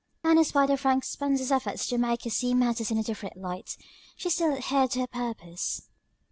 And in spite of Frank Spencer's efforts to make her see matters in a different light, she still adhered to her purpose.